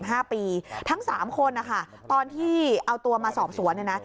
อายุ๒๕ปีทั้ง๓คนตอนที่เอาตัวมาสอบสวน